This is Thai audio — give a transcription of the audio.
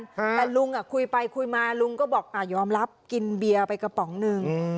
แต่ลุงอ่ะคุยไปคุยมาลุงก็บอกอ่ายอมรับกินเบียร์ไปกระป๋องหนึ่งอืม